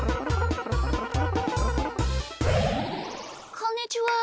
こんにちは。